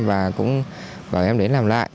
và cũng gọi em đến làm lại